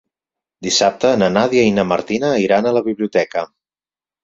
Dissabte na Nàdia i na Martina iran a la biblioteca.